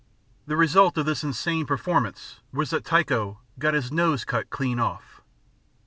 The result of this insane performance was that Tycho got his nose cut clean off.